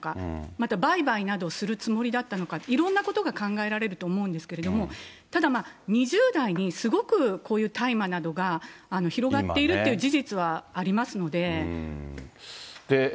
また売買などをするつもりだったのか、いろんなことが考えられると思うんですけれども、ただまあ、２０代にすごくこういう大麻などが広がっているという事実はありますので。